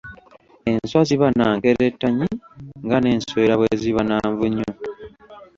Enswa ziba na nkerettanyi nga n’enswera bwe ziba na Nvunyu.